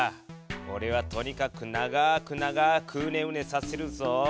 おれはとにかく長く長くウネウネさせるぞ。